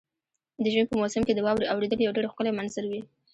د ژمي په موسم کې د واورې اورېدل یو ډېر ښکلی منظر وي.